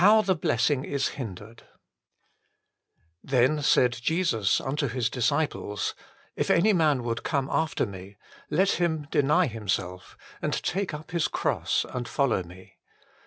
je iSlcssittg is fjmtimli Then said Jesus unto His disciples : If any man would come after Me, let him deny himself, and take up his cross, and follow Me.